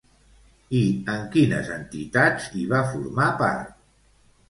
I en quines entitats hi va formar part?